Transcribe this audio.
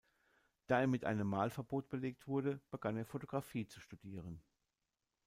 Da er mit einem Malverbot belegt wurde, begann er Fotografie zu studieren.